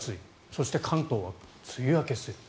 そして、関東は梅雨明けする。